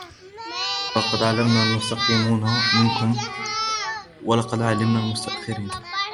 وَلَقَدْ عَلِمْنَا الْمُسْتَقْدِمِينَ مِنْكُمْ وَلَقَدْ عَلِمْنَا الْمُسْتَأْخِرِينَ